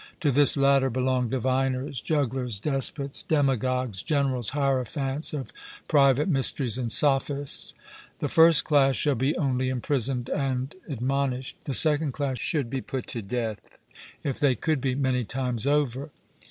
To this latter belong diviners, jugglers, despots, demagogues, generals, hierophants of private mysteries, and sophists. The first class shall be only imprisoned and admonished. The second class should be put to death, if they could be, many times over.